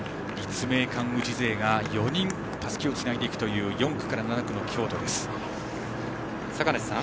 立命館宇治勢が４人たすきをつないでいくという４区から７区の京都。